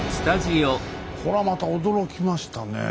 これはまた驚きましたね。